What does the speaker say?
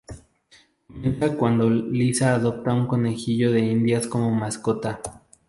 Comienza cuando Lisa adopta un conejillo de indias como mascota.